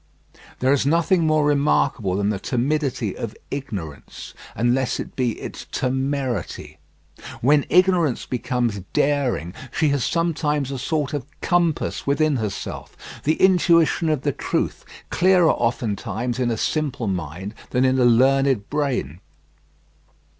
There is nothing more remarkable than the timidity of ignorance, unless it be its temerity. When ignorance becomes daring, she has sometimes a sort of compass within herself the intuition of the truth, clearer oftentimes in a simple mind than in a learned brain.